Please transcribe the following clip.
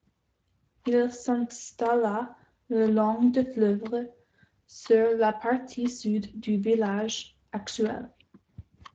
Il s'installa le long du fleuve, sur la partie sud du village actuel.